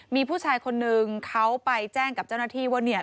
มีผู้ชายคนนึงเขาไปแจ้งกับเจ้าหน้าที่ว่าเนี่ย